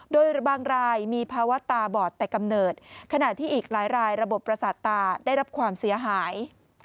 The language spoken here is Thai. โดยบางรายมีภาวะตาบอดแต่กำเนิดขณะที่อีกหลายรายระบบประสาทตาได้รับความเสียหาย